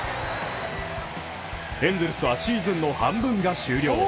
エンゼルスはシーズンの半分が終了。